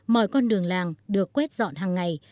mọi con đường làng được quét dọn hằng ngày